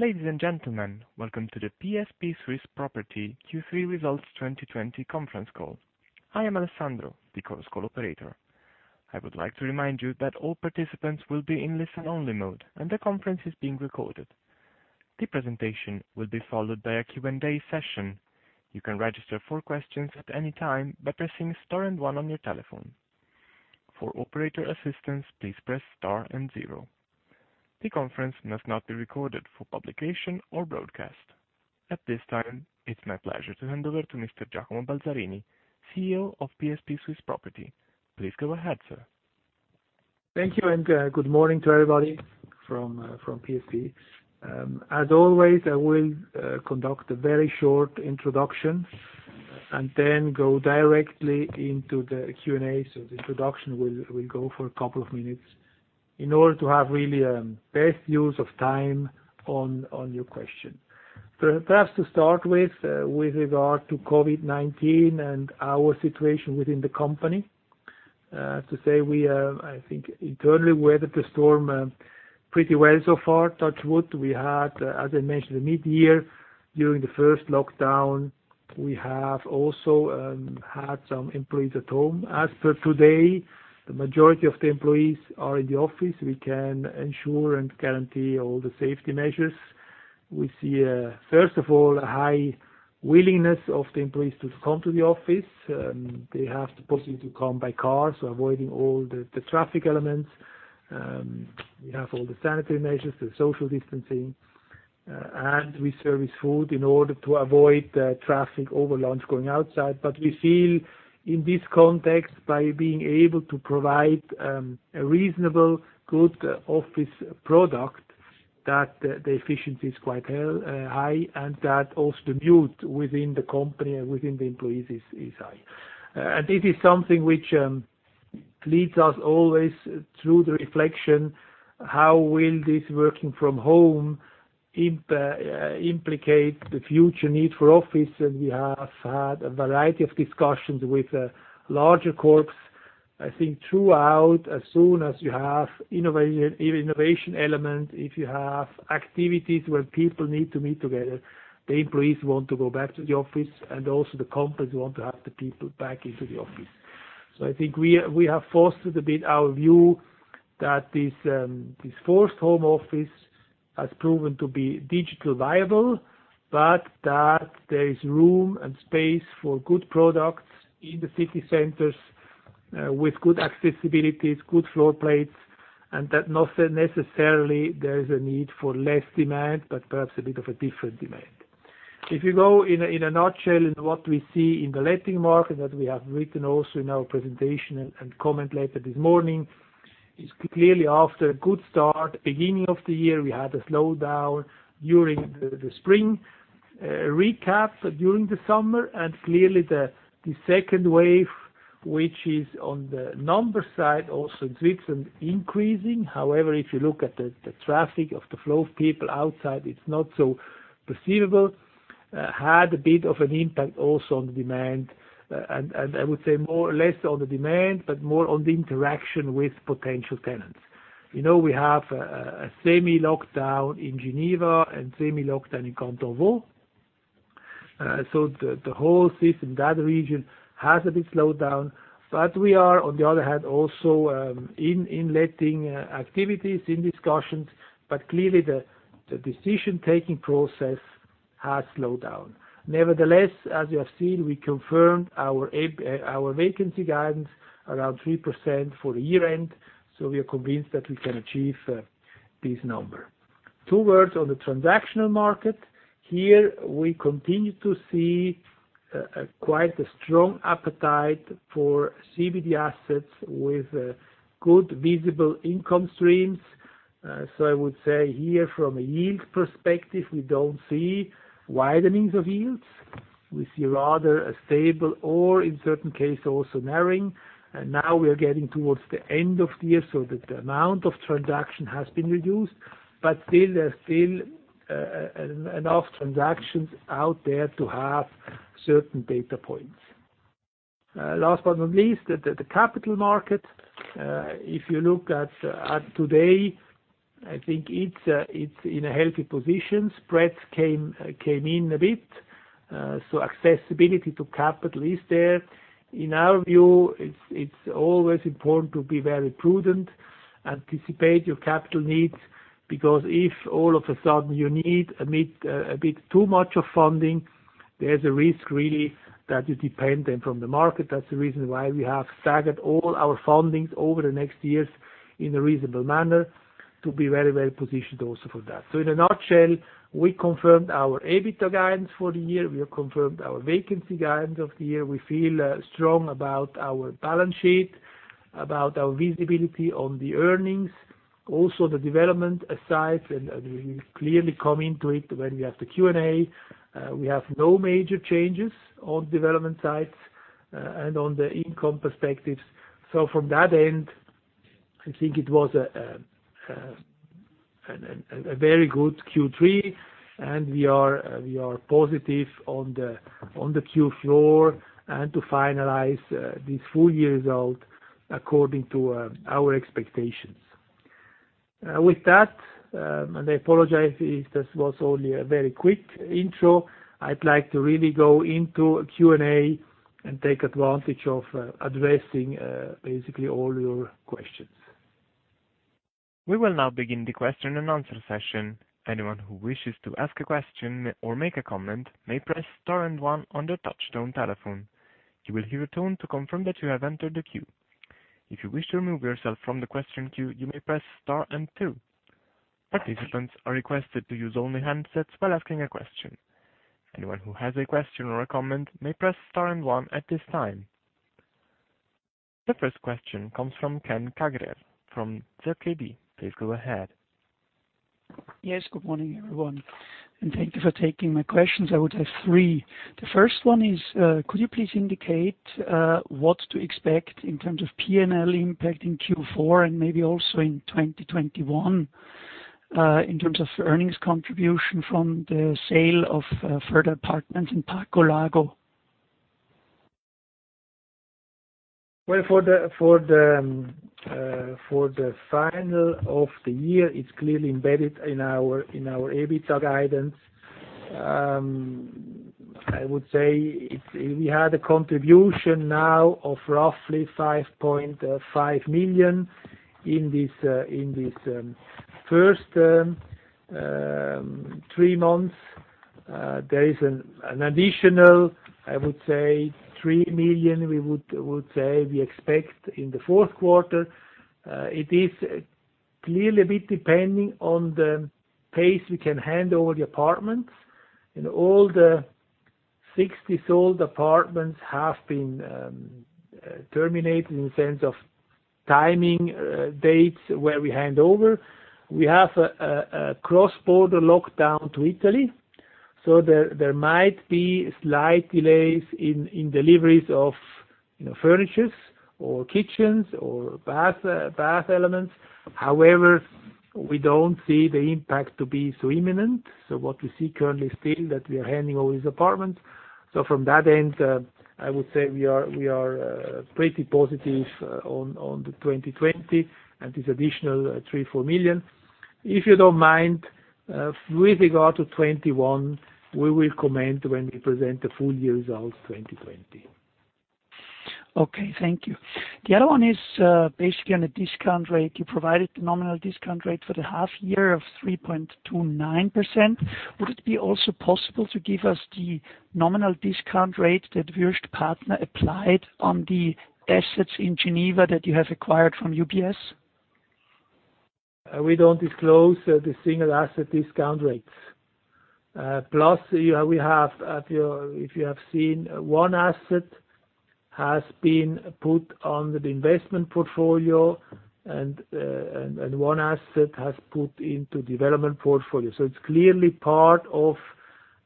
Ladies and gentlemen, welcome to the PSP Swiss Property Q3 Results 2020 Conference Call. I am Alessandro, the conference call operator. I would like to remind you that all participants will be in listen-only mode, and the conference is being recorded. The presentation will be followed by a Q&A session. You can register for questions at any time by pressing star and 1 on your telephone. For operator assistance, please press star and 0. The conference must not be recorded for publication or broadcast. At this time, it's my pleasure to hand over to Mr. Giacomo Balzarini, CEO of PSP Swiss Property. Please go ahead, sir. Thank you, good morning to everybody from PSP. As always, I will conduct a very short introduction and then go directly into the Q&A. The introduction will go for a couple of minutes in order to have really best use of time on your question. Perhaps to start with regard to COVID-19 and our situation within the company, to say we, I think, internally weathered the storm pretty well so far, touch wood. We had, as I mentioned, the mid-year during the first lockdown. We have also had some employees at home. As per today, the majority of the employees are in the office. We can ensure and guarantee all the safety measures. We see, first of all, a high willingness of the employees to come to the office. They have the possibility to come by car, so avoiding all the traffic elements. We have all the sanitary measures, the social distancing, and we service food in order to avoid traffic over lunch going outside. We feel in this context, by being able to provide a reasonably good office product, that the efficiency is quite high and that also the mood within the company and within the employees is high. This is something which leads us always through the reflection, how will this working from home implicate the future need for office? We have had a variety of discussions with larger corps. I think throughout, as soon as you have innovation element, if you have activities where people need to meet together, the employees want to go back to the office, and also the companies want to have the people back into the office. I think we have fostered a bit our view that this forced home office has proven to be digital viable, but that there is room and space for good products in the city centers with good accessibilities, good floor plates, and that not necessarily there is a need for less demand, but perhaps a bit of a different demand. If you go in a nutshell in what we see in the letting market that we have written also in our presentation and comment later this morning, is clearly after a good start, beginning of the year, we had a slowdown during the spring, recap during the summer, and clearly the second wave, which is on the number side also in Switzerland increasing. However, if you look at the traffic of the flow of people outside, it's not so perceivable. Had a bit of an impact also on the demand, I would say more or less on the demand, but more on the interaction with potential tenants. We have a semi-lockdown in Geneva and semi-lockdown in Canton Vaud. The whole city in that region has a bit slowed down. We are, on the other hand, also in letting activities, in discussions, Clearly the decision-taking process has slowed down. Nevertheless, as you have seen, we confirmed our vacancy guidance around 3% for the year-end. We are convinced that we can achieve this number. Two words on the transactional market. Here we continue to see quite a strong appetite for CBD assets with good visible income streams. I would say here from a yield perspective, we don't see widenings of yields. We see rather a stable or in certain cases also narrowing. We are getting towards the end of the year, the amount of transaction has been reduced, still there are still enough transactions out there to have certain data points. Last but not least, the capital market. If you look at today, I think it's in a healthy position. Spreads came in a bit, accessibility to capital is there. In our view, it's always important to be very prudent, anticipate your capital needs, if all of a sudden you need a bit too much of funding, there's a risk really that you depend then from the market. That's the reason why we have staggered all our fundings over the next years in a reasonable manner to be very well-positioned also for that. In a nutshell, we confirmed our EBITDA guidance for the year. We have confirmed our vacancy guidance of the year. We feel strong about our balance sheet, about our visibility on the earnings, also the development sides. We will clearly come into it when we have the Q&A. We have no major changes on development sides and on the income perspectives. From that end, I think it was a very good Q3. We are positive on the Q4 and to finalize this full-year result according to our expectations. With that, and I apologize if this was only a very quick intro, I'd like to really go into Q&A and take advantage of addressing basically all your questions. We will now begin the question and answer session. Anyone who wishes to ask a question or make a comment may press star and one on their touchtone telephone. You will hear a tone to confirm that you have entered the queue. If you wish to remove yourself from the question queue, you may press star and two. Participants are requested to use only handsets while asking a question. Anyone who has a question or a comment may press star and one at this time. The first question comes from Ken Kagerer from ZKB. Please go ahead. Yes, good morning, everyone, and thank you for taking my questions. I would have three. The first one is, could you please indicate what to expect in terms of P&L impact in Q4 and maybe also in 2021, in terms of earnings contribution from the sale of further apartments in Parco Lago? Well, for the final of the year, it is clearly embedded in our EBITDA guidance. I would say we had a contribution now of roughly 5.5 million in these first three months. There is an additional, I would say 3 million, we would say we expect in the fourth quarter. It is clearly a bit depending on the pace we can hand over the apartments. All the 60 sold apartments have been terminated in terms of timing dates where we hand over. We have a cross-border lockdown to Italy, there might be slight delays in deliveries of furnitures or kitchens or bath elements. However, we don't see the impact to be so imminent. What we see currently still is that we are handing over these apartments. From that end, I would say we are pretty positive on the 2020 and this additional 3 million-4 million. If you don't mind, with regard to 2021, we will comment when we present the full year results, 2020. Okay. Thank you. The other one is basically on a discount rate. You provided the nominal discount rate for the half year of 3.29%. Would it be also possible to give us the nominal discount rate that Wüest Partner applied on the assets in Geneva that you have acquired from UBS? We don't disclose the single asset discount rates. If you have seen, one asset has been put on the investment portfolio and one asset has put into development portfolio. It's clearly part of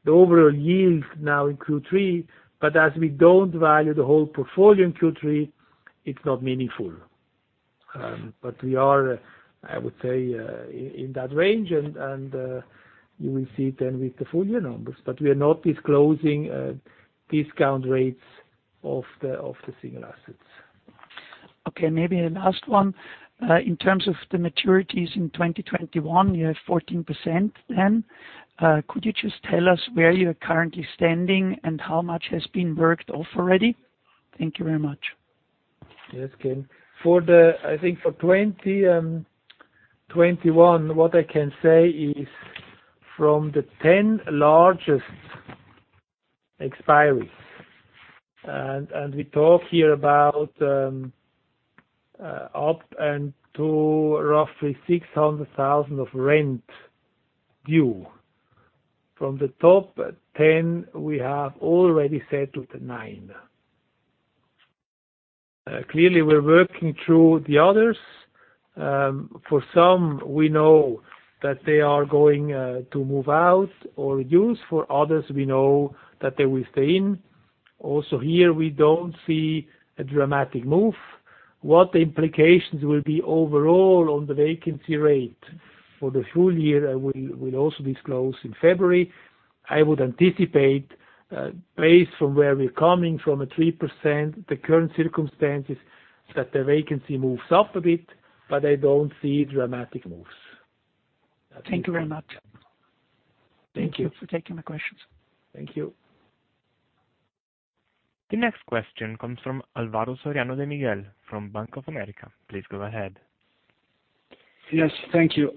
the overall yield now in Q3, but as we don't value the whole portfolio in Q3, it's not meaningful. We are, I would say, in that range, and you will see it then with the full year numbers. We are not disclosing discount rates of the single assets. Okay, maybe a last one. In terms of the maturities in 2021, you have 14% then. Could you just tell us where you're currently standing and how much has been worked off already? Thank you very much. Yes, Ken. I think for 2021, what I can say is from the 10 largest expiries, and we talk here about up and to roughly 600,000 of rent due. From the top 10, we have already settled nine. Clearly, we're working through the others. For some, we know that they are going to move out or reduce. For others, we know that they will stay in. Also here, we don't see a dramatic move. What the implications will be overall on the vacancy rate for the full year, I will also disclose in February. I would anticipate, based from where we're coming from, a 3%, the current circumstances, that the vacancy moves up a bit, but I don't see dramatic moves. Thank you very much. Thank you. Thank you for taking my questions. Thank you. The next question comes from Álvaro Soriano de Miguel from Bank of America. Please go ahead. Thank you.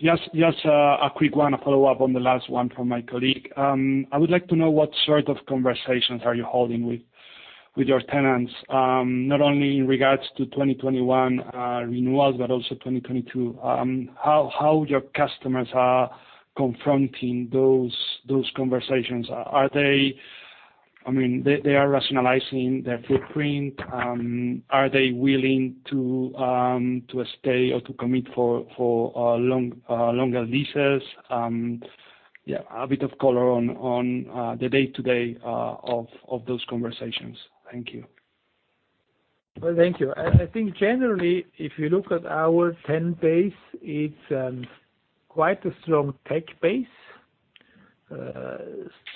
Just a quick one, a follow-up on the last one from my colleague. I would like to know what sort of conversations are you holding with your tenants, not only in regards to 2021 renewals, but also 2022. How your customers are confronting those conversations? They are rationalizing their footprint. Are they willing to stay or to commit for longer leases? A bit of color on the day-to-day of those conversations. Thank you. Well, thank you. I think generally, if you look at our tenant base, it's quite a strong tech base,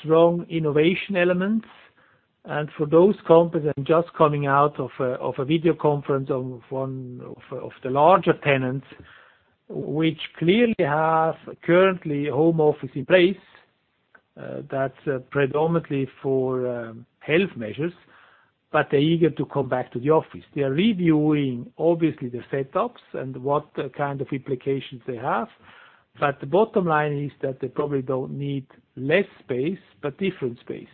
strong innovation elements. For those companies, I'm just coming out of a video conference of one of the larger tenants, which clearly have currently home office in place. That's predominantly for health measures, but they're eager to come back to the office. They are reviewing, obviously, the setups and what kind of implications they have. The bottom line is that they probably don't need less space, but different space.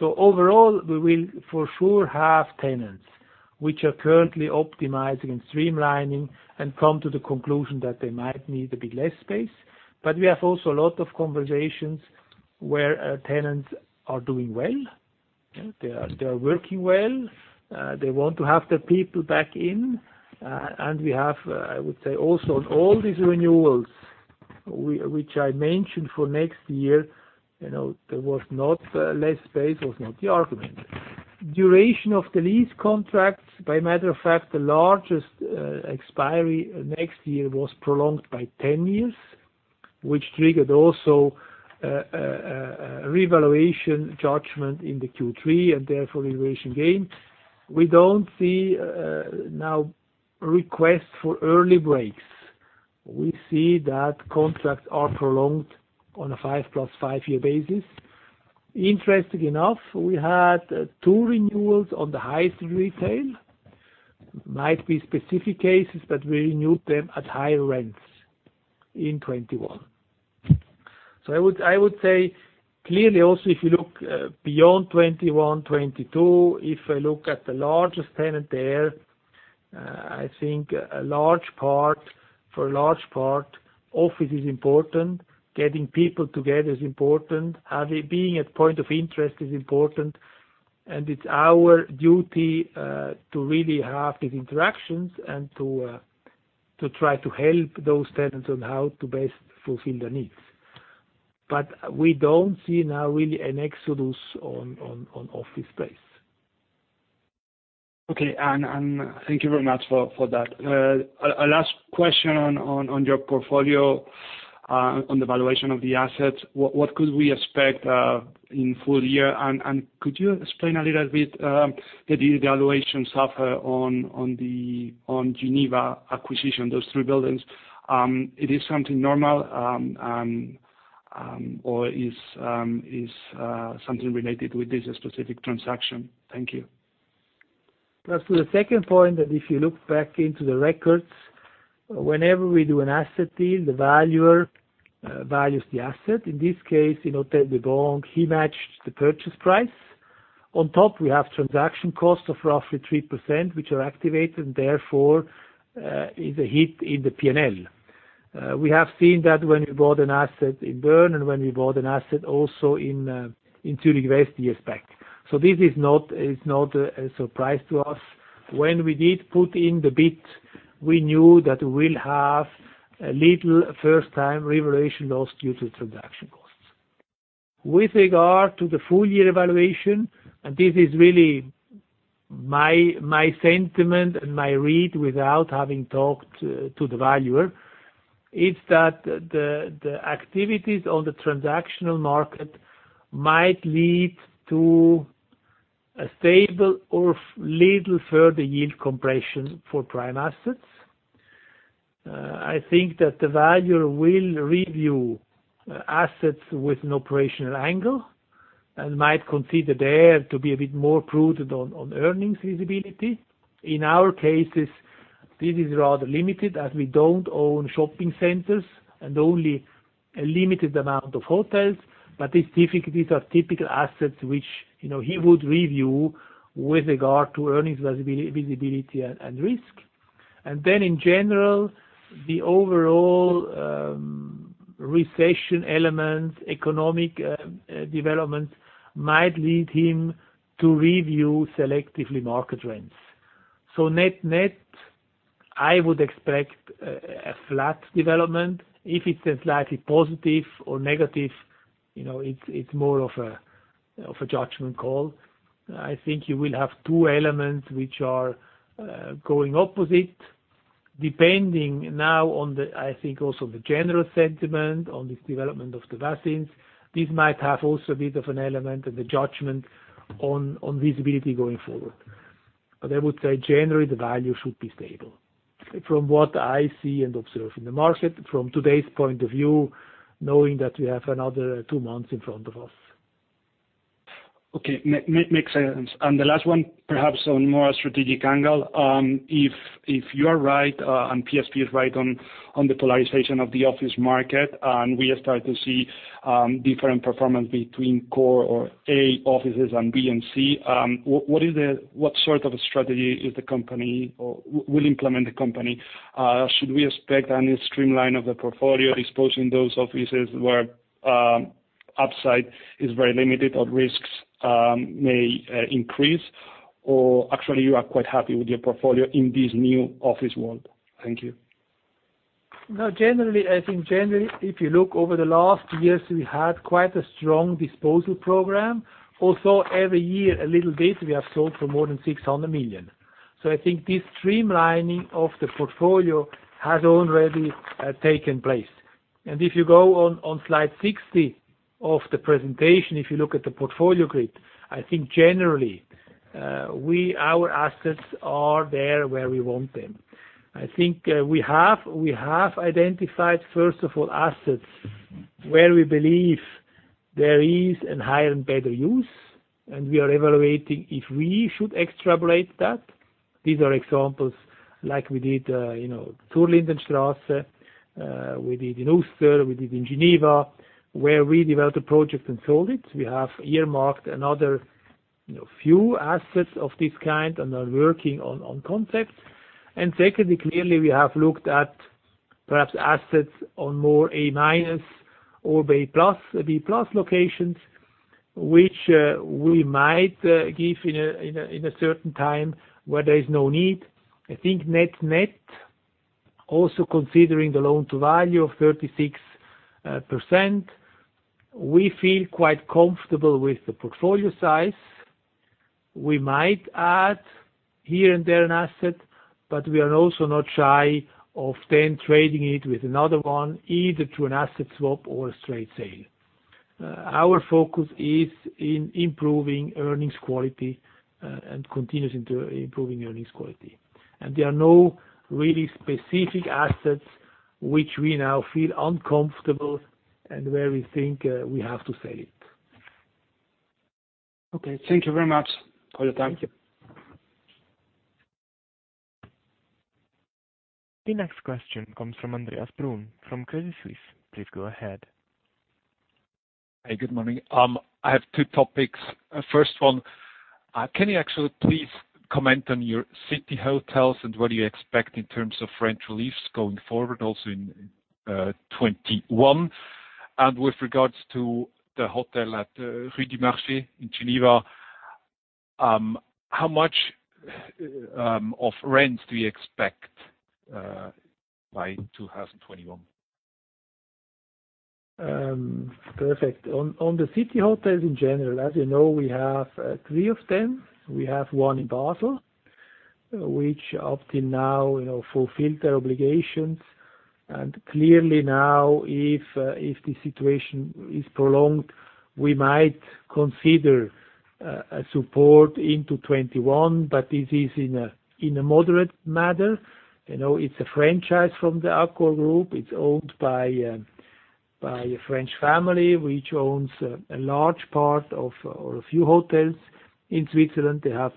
Overall, we will for sure have tenants which are currently optimizing and streamlining and come to the conclusion that they might need a bit less space. We have also a lot of conversations where tenants are doing well. They are working well. They want to have their people back in. We have, I would say, also in all these renewals, which I mentioned for next year, less space was not the argument. Duration of the lease contracts, by matter of fact, the largest expiry next year was prolonged by 10 years, which triggered also a revaluation judgment in the Q3, and therefore revaluation gain. We don't see now requests for early breaks. We see that contracts are prolonged on a 5 +5 year basis. Interesting enough, we had two renewals on the highest retail. Might be specific cases, we renewed them at higher rents in 2021. I would say, clearly also if you look beyond 2021, 2022, if I look at the largest tenant there, I think for a large part, office is important. Getting people together is important. Being at point of interest is important, and it's our duty to really have these interactions and to try to help those tenants on how to best fulfill their needs. We don't see now really an exodus on office space. Okay. Thank you very much for that. A last question on your portfolio, on the valuation of the assets. What could we expect in full year? Could you explain a little bit, did the valuation suffer on Geneva acquisition, those three buildings? It is something normal, or is something related with this specific transaction? Thank you. As to the second point, if you look back into the records, whenever we do an asset deal, the valuer values the asset. In this case, Hôtel des Banques, he matched the purchase price. On top, we have transaction costs of roughly 3%, which are activated, therefore, is a hit in the P&L. We have seen that when we bought an asset in Bern, and when we bought an asset also in Zürich West years back. This is not a surprise to us. When we did put in the bid, we knew that we'll have a little first-time revaluation loss due to transaction costs. With regard to the full-year valuation, and this is really my sentiment and my read without having talked to the valuer, is that the activities on the transactional market might lead to a stable or little further yield compression for prime assets. I think that the valuer will review assets with an operational angle and might consider there to be a bit more prudent on earnings visibility. In our cases, this is rather limited, as we don't own shopping centers and only a limited amount of hotels. These are typical assets which he would review with regard to earnings visibility and risk. In general, the overall recession elements, economic developments, might lead him to review selectively market rents. Net-net, I would expect a flat development. If it's a slightly positive or negative, it's more of a judgment call. I think you will have two elements which are going opposite, depending now on the, I think, also the general sentiment on this development of the vaccines. This might have also a bit of an element and the judgment on visibility going forward. I would say generally, the value should be stable from what I see and observe in the market from today's point of view, knowing that we have another two months in front of us. Okay, makes sense. The last one, perhaps on more a strategic angle. If you are right and PSP is right on the polarization of the office market, and we start to see different performance between core or A offices and B and C, what sort of a strategy will implement the company? Should we expect any streamline of the portfolio, disposing those offices where upside is very limited or risks may increase? Or actually, you are quite happy with your portfolio in this new office world? Thank you. I think generally, if you look over the last years, we had quite a strong disposal program. Every year, a little bit, we have sold for more than 600 million. I think this streamlining of the portfolio has already taken place. If you go on slide 60 of the presentation, if you look at the portfolio grid, I think generally, our assets are there where we want them. I think we have identified, first of all, assets where we believe there is a higher and better use, and we are evaluating if we should extrapolate that. These are examples like we did Zurlindenstrasse, we did in Uster, we did in Geneva, where we developed a project and sold it. We have earmarked another few assets of this kind and are working on concepts. Secondly, clearly we have looked at perhaps assets on more A- or B+ locations, which we might give in a certain time where there is no need. I think net-net, also considering the loan-to-value of 36%, we feel quite comfortable with the portfolio size. We might add here and there an asset, but we are also not shy of then trading it with another one, either through an asset swap or a straight sale. Our focus is in improving earnings quality and continues into improving earnings quality. There are no really specific assets which we now feel uncomfortable and where we think we have to sell it. Okay. Thank you very much for your time. Thank you. The next question comes from Andreas Brun from Credit Suisse. Please go ahead. Hey, good morning. I have two topics. First one, can you actually please comment on your city hotels and what you expect in terms of rent reliefs going forward also in 2021? With regards to the hotel at Rue du Marché in Geneva, how much of rent do you expect by 2021? Perfect. On the city hotels in general, as you know, we have three of them. We have one in Basel, which up to now fulfill their obligations. Clearly now, if the situation is prolonged, we might consider a support into 2021, but this is in a moderate manner. It's a franchise from the Accor Group. It's owned by a French family, which owns a large part of a few hotels in Switzerland. They have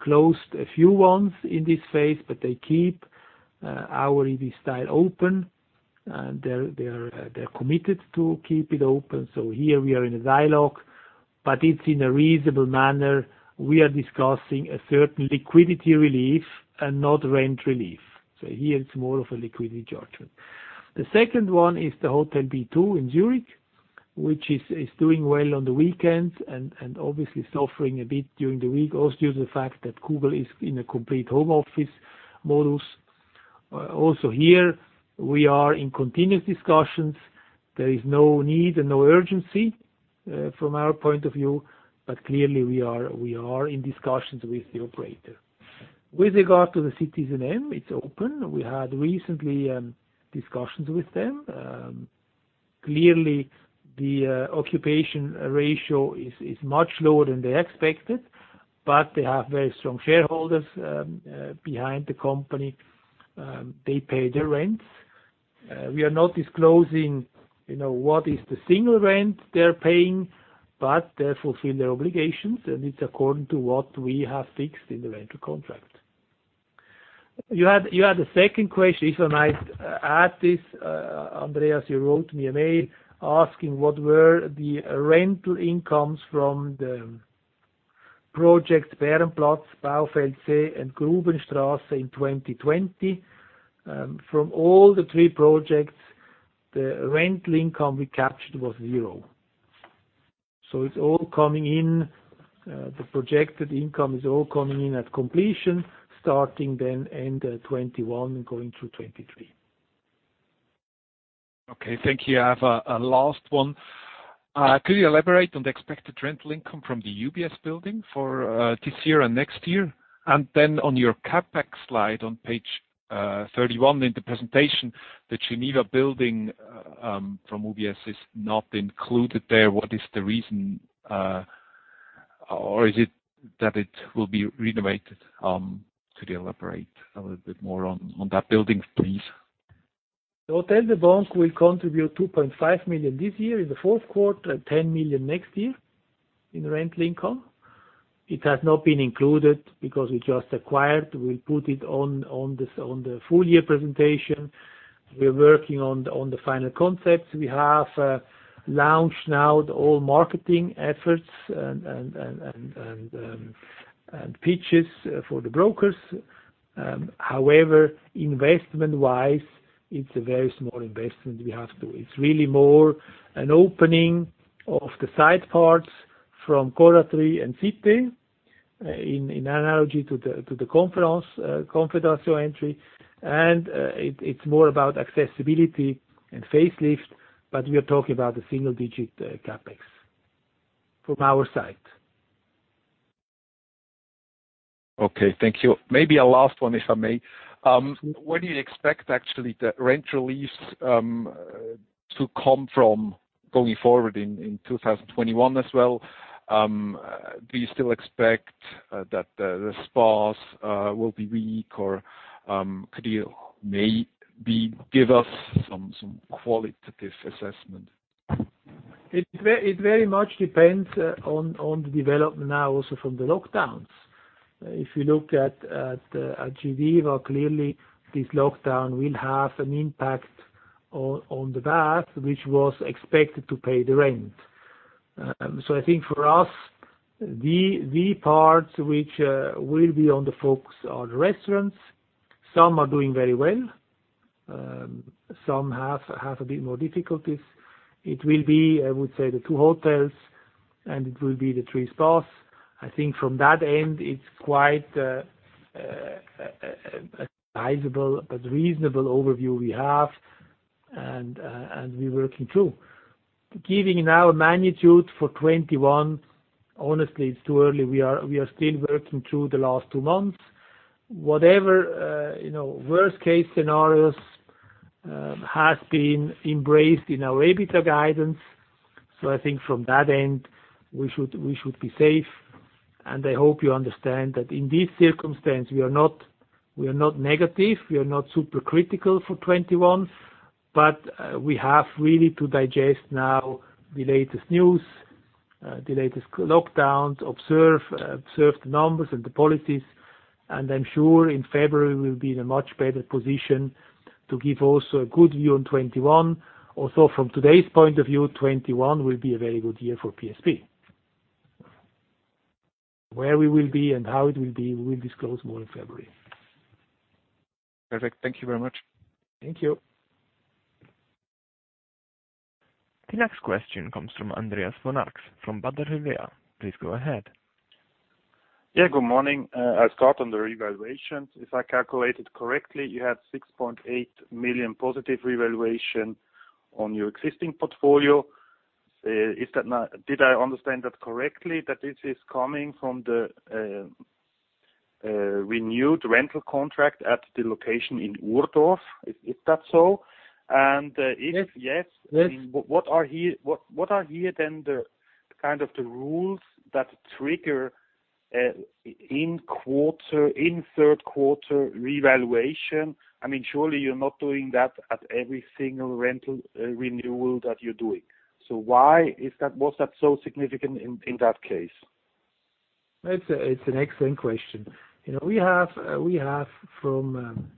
closed a few ones in this phase, they keep our Ibis Styles open, they're committed to keep it open. Here we are in a dialogue. It's in a reasonable manner, we are discussing a certain liquidity relief and not rent relief. Here it's more of a liquidity judgment. The second one is the Hotel B2 in Zurich, which is doing well on the weekends and obviously suffering a bit during the week, also due to the fact that Google is in a complete home office models. Also here, we are in continuous discussions. There is no need and no urgency from our point of view, but clearly we are in discussions with the operator. With regard to the citizenM, it's open. We had recently discussions with them. Clearly, the occupation ratio is much lower than they expected, but they have very strong shareholders behind the company. They pay their rents. We are not disclosing what is the single rent they're paying, but they're fulfilling their obligations, and it's according to what we have fixed in the rental contract. You had a second question. If I might add this, Andreas, you wrote me a mail asking what were the rental incomes from the projects, Bahnhofplatz, Baufeld C, and Grubenstrasse in 2020. From all the three projects, the rental income we captured was zero. The projected income is all coming in at completion, starting then end 2021 and going through 2023. Okay, thank you. I have a last one. Could you elaborate on the expected rental income from the UBS building for this year and next year? On your CapEx slide on page 31 in the presentation, the Geneva building from UBS is not included there. What is the reason? Or is it that it will be renovated? Could you elaborate a little bit more on that building, please? The Hotel des Banques will contribute 2.5 million this year in the fourth quarter and 10 million next year in rental income. It has not been included because we just acquired. We'll put it on the full-year presentation. We're working on the final concepts. We have launched now all marketing efforts and pitches for the brokers. However, investment-wise, it's a very small investment we have to. It's really more an opening of the side parts from Corraterie and Cité, analogy to the Confédération entry, and it's more about accessibility and facelift, but we are talking about the single-digit CapEx from our side. Okay. Thank you. Maybe a last one, if I may. Where do you expect actually the rent reliefs to come from going forward in 2021 as well? Do you still expect that the spas will be weak or could you maybe give us some qualitative assessment? It very much depends on the development now also from the lockdowns. If you look at Geneva, clearly this lockdown will have an impact on the bath, which was expected to pay the rent. I think for us, the parts which will be on the focus are the restaurants. Some are doing very well. Some have a bit more difficulties. It will be, I would say, the two hotels, and it will be the three spas. I think from that end, it's quite a sizable but reasonable overview we have and we're working through. Giving now a magnitude for 2021, honestly, it's too early. We are still working through the last two months. Whatever worst-case scenarios has been embraced in our EBITDA guidance. I think from that end, we should be safe. I hope you understand that in this circumstance, we are not negative, we are not super critical for 2021, but we have really to digest now the latest news, the latest lockdowns, observe the numbers and the policies. I'm sure in February, we'll be in a much better position to give also a good view on 2021. Also, from today's point of view, 2021 will be a very good year for PSP. Where we will be and how it will be, we'll disclose more in February. Perfect. Thank you very much. Thank you. The next question comes from Andreas von Arx from Baader Helvea. Please go ahead. Yeah, good morning. I'll start on the revaluations. If I calculated correctly, you had 6.8 million positive revaluation on your existing portfolio. Did I understand that correctly, that this is coming from the renewed rental contract at the location in Urdorf? Is that so? Yes. Yes. What are here then the kind of the rules that trigger in third quarter revaluation? Surely you're not doing that at every single rental renewal that you're doing. Why was that so significant in that case? It's an excellent question. We have from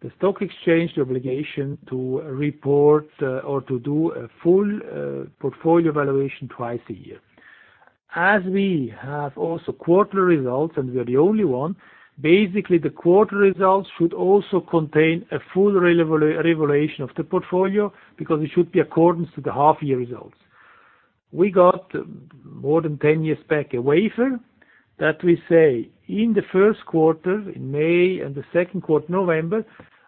the stock exchange, the obligation to report or to do a full portfolio valuation twice a year. As we have also quarterly results, we're the only one, basically, the quarter results should also contain a full revaluation of the portfolio because it should be accordance to the half-year results. We got more than 10 years back a waiver that we say in the first quarter, in May, the second quarter, November,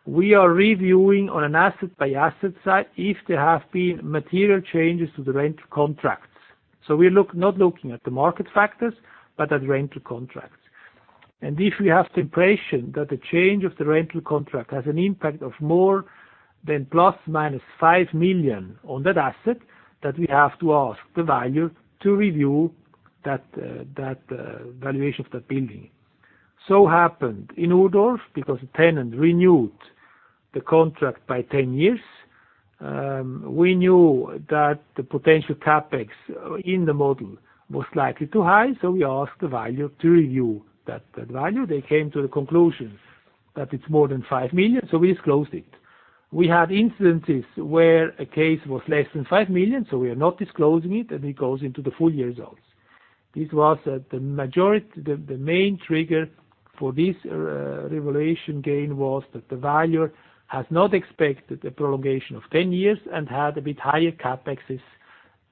we are reviewing on an asset-by-asset side if there have been material changes to the rental contracts. We're not looking at the market factors, but at rental contracts. If we have the impression that the change of the rental contract has an impact of more than ±5 million on that asset, that we have to ask the valuer to review that valuation of that building. Happened in Urdorf because the tenant renewed the contract by 10 years. We knew that the potential CapEx in the model was likely too high, so we asked the valuer to review that value. They came to the conclusion that it's more than 5 million, so we disclosed it. We had instances where a case was less than 5 million, so we are not disclosing it, and it goes into the full year results. The main trigger for this revaluation gain was that the valuer has not expected a prolongation of 10 years and had a bit higher CapExes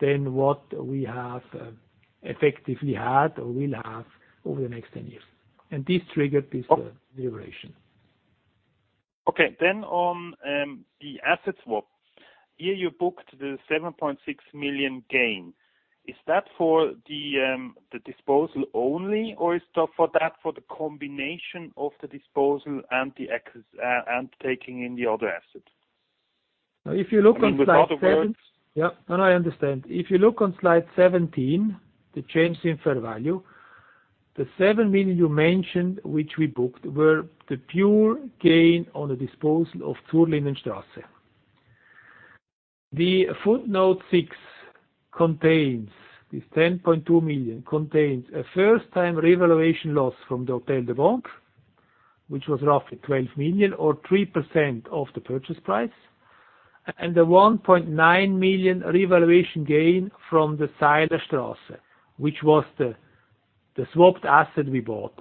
than what we have effectively had or will have over the next 10 years. This triggered this revaluation. Okay. On the asset swap. Here you booked the 7.6 million gain. Is that for the disposal only, or is that for the combination of the disposal and taking in the other asset? Now, if you look on slide seven. In other words- Yeah, no, I understand. If you look on slide 17, the change in fair value, the 7 million you mentioned, which we booked, were the pure gain on the disposal of Zurlindenstrasse. The footnote six, this 10.2 million, contains a first-time revaluation loss from the Hôtel des Banques, which was roughly 12 million or 3% of the purchase price, and the 1.9 million revaluation gain from the Seilerstrasse, which was the swapped asset we bought,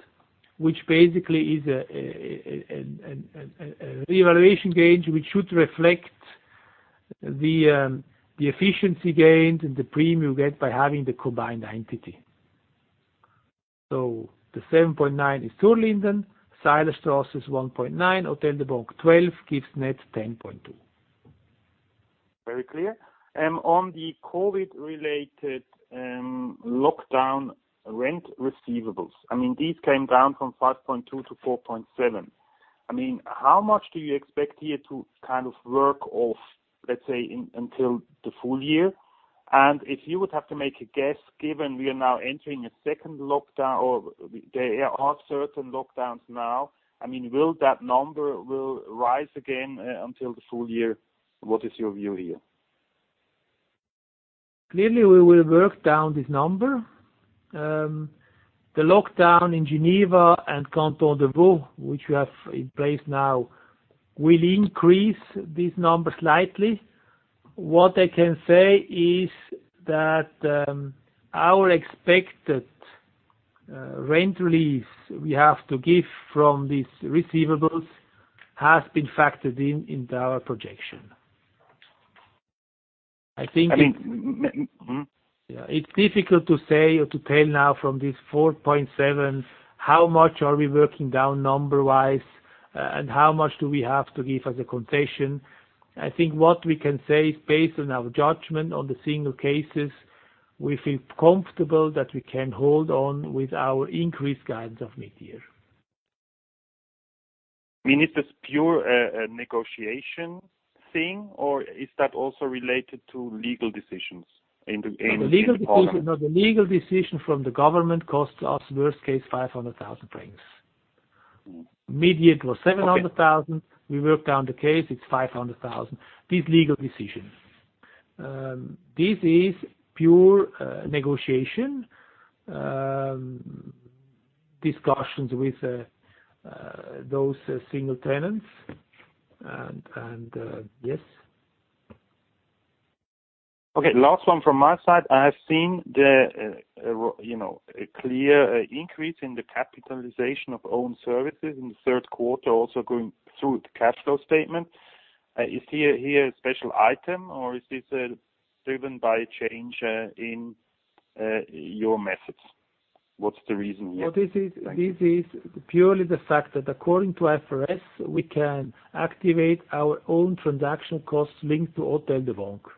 which basically is a revaluation gain which should reflect the efficiency gains and the premium you get by having the combined entity. The 7.9 is Zurlindenstrasse. Seilerstrasse is 1.9. Hôtel des Banques, 12. Gives net 10.2. Very clear. On the COVID-related lockdown rent receivables, these came down from 5.2 to 4.7. How much do you expect here to work off, let's say, until the full year? If you would have to make a guess, given we are now entering a second lockdown, or there are certain lockdowns now, will that number rise again until the full year? What is your view here? Clearly, we will work down this number. The lockdown in Geneva and Canton de Vaud, which we have in place now, will increase this number slightly. What I can say is that our expected rent reliefs we have to give from these receivables has been factored in into our projection. I think- Yeah. It's difficult to say or to tell now from this 4.7, how much are we working down number-wise and how much do we have to give as a concession. I think what we can say is based on our judgment on the single cases, we feel comfortable that we can hold on with our increased guidance of mid-year. Is this pure negotiation thing, or is that also related to legal decisions in the? The legal decision from the government costs us, worst case, 500,000 francs. Mid-year, it was 700,000. We worked down the case, it's 500,000. These legal decisions. This is pure negotiation, discussions with those single tenants. Yes. Okay, last one from my side. I have seen a clear increase in the capitalization of own services in the third quarter, also going through the cash flow statement. Is here a special item, or is this driven by a change in your methods? What's the reason here? This is purely the fact that according to IFRS, we can activate our own transaction costs linked to Hôtel des Banques.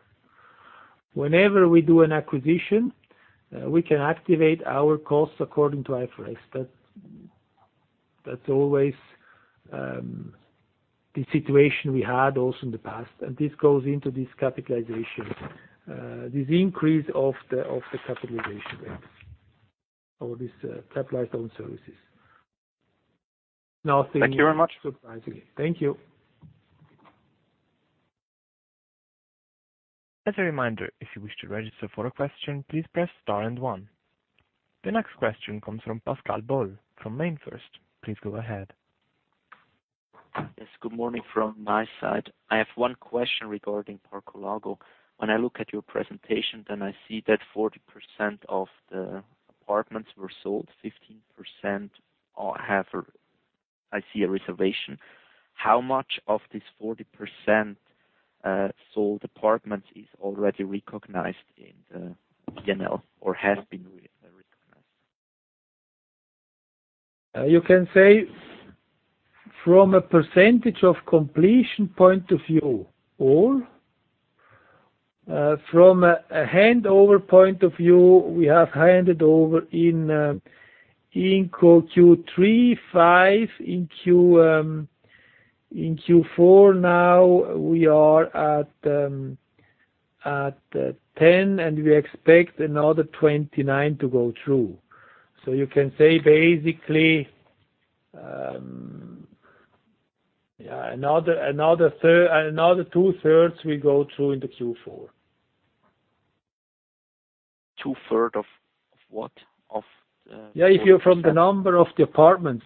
Whenever we do an acquisition, we can activate our costs according to IFRS. That's always the situation we had also in the past, and this goes into this capitalization. This increase of the capitalization rate or this capitalized own services. Thank you very much. Surprising. Thank you. As a reminder, if you wish to register for a question, please press star and one. The next question comes from Pascal Boll from MainFirst. Please go ahead. Yes, good morning from my side. I have one question regarding Parco Lago. When I look at your presentation, then I see that 40% of the apartments were sold, 15% I see a reservation. How much of this 40% sold apartments is already recognized in the P&L or has been recognized? You can say from a percentage of completion point of view. From a handover point of view, we have handed over in Q3, five. In Q4 now, we are at 10, and we expect another 29 to go through. You can say basically, another 2/3 will go through into Q4. Two-third of what? From the number of the apartments.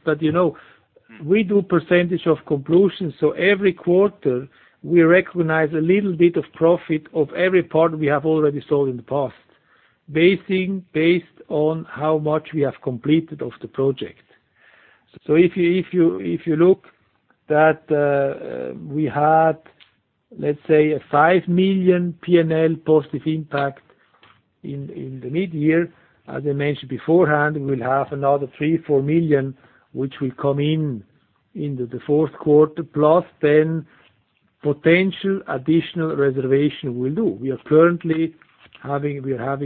We do percentage of completion, so every quarter, we recognize a little bit of profit of every part we have already sold in the past, based on how much we have completed of the project. If you look that we had, let's say, a 5 million P&L positive impact in the mid-year. As I mentioned beforehand, we'll have another 3 million-4 million, which will come in into the fourth quarter, plus then potential additional reservation we'll do. We are currently having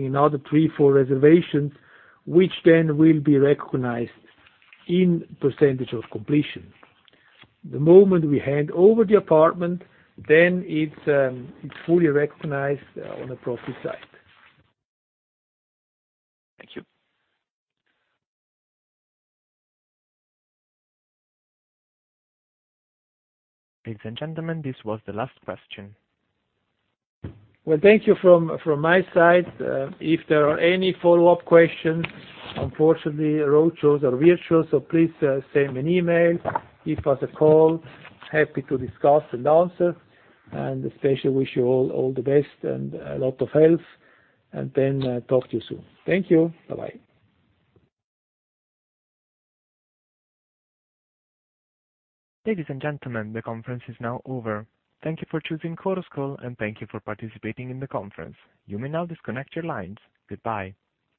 another three, four reservations, which then will be recognized in percentage of completion. The moment we hand over the apartment, then it's fully recognized on the profit side. Thank you. Ladies and gentlemen, this was the last question. Well, thank you from my side. If there are any follow-up questions, unfortunately, roadshows are virtual, so please send me an email, give us a call. Happy to discuss and answer, and especially wish you all the best and a lot of health, and then talk to you soon. Thank you. Bye-bye. Ladies and gentlemen, the conference is now over. Thank you for choosing Chorus Call, and thank you for participating in the conference. You may now disconnect your lines. Goodbye.